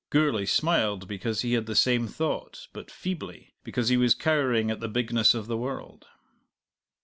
Gourlay smiled because he had the same thought, but feebly, because he was cowering at the bigness of the world.